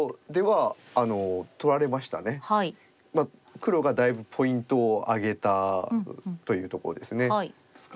まあ黒がだいぶポイントを挙げたというところですね。